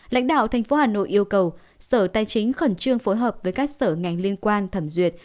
lãnh đạo tp hà nội yêu cầu sở tài chính khẩn trương phối hợp với các sở ngành liên quan thẩm duyệt